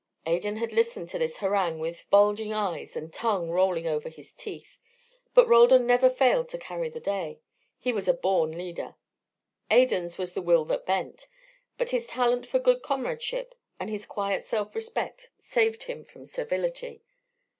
Adan had listened to this harangue with bulging eyes and tongue rolling over his teeth. But Roldan never failed to carry the day. He was a born leader. Adan's was the will that bent; but his talent for good comradeship and his quiet self respect saved him from servility.